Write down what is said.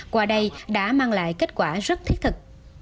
qua đây đã mang lại kết quả rất thiết thực